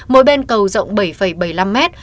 mỗi bên cầu rộng bảy bảy mươi năm mét